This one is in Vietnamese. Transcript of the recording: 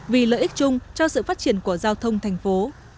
vì lợi ích chung cho sự phát triển của giao thông thành phố